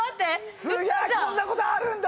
こんなことあるんだ！